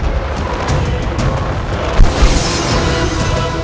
sekarang pergi balik ke bangunan itu